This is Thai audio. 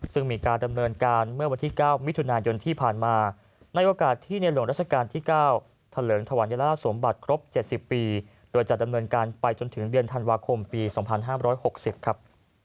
ซึ่งมีการดำเนินการเมื่อวันที่เก้ามิถุนายนที่ผ่านมาในโอกาสที่ในหลวงราชการที่เก้าทะเลิงถวันยลาสมบัติครบเจ็ดสิบปีโดยจะดำเนินการไปจนถึงเดือนธันวาคมปีสองพันห้ามร้อยหกสิบครับ